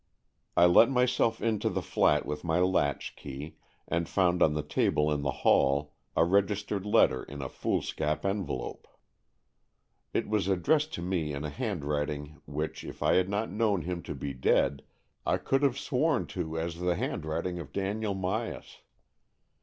I let myself into the flat with my latchkey, and found on the table in the hall a registered AN EXCHANGE OF SOULS 141 letter in a foolscap envelope. It was addressed to me in a handwriting which, if I had not known him to be dead, I could have sworn to as the handwriting of Daniel Myas.